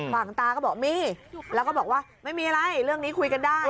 ตาก็บอกมีแล้วก็บอกว่าไม่มีอะไรเรื่องนี้คุยกันได้